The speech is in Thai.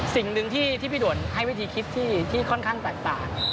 สิ่งหนึ่งที่พี่ด่วนให้วิธีคิดที่ค่อนข้างแตกต่าง